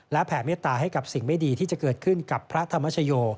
และแผ่เมตตาให้กับสิ่งไม่ดีที่จะเกิดขึ้นกับพระธรรมชโย